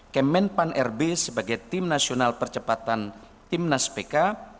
kemen pan rb sebagai tim nasional percepatan timnas pk